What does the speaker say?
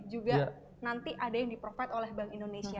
juga nanti ada yang di provide oleh bank indonesia